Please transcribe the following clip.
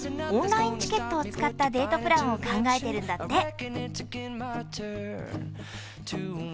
オンラインチケットを使ったデートプランを考えているんだって。